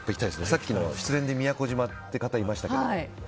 さっき失恋で宮古島の方いましたけど。